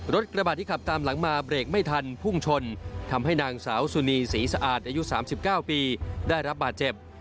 กระบาดที่ขับตามหลังมาเบรกไม่ทันพุ่งชนทำให้นางสาวสุนีศรีสะอาดอายุ๓๙ปีได้รับบาดเจ็บ